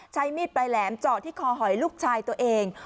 ใช้มีดปลายแหลมเจาะที่คอหอยลูกชายตัวเอง